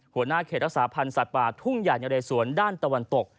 หัวหน้าเขตรักษาพันธ์สัตว์ป่าทุ่งใหญ่นะเรสวนด้านตะวันตก